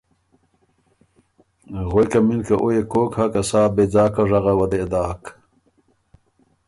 غوېکم اِن که او يې کوک هۀ که سا بېځاکه ژغه وه دې داک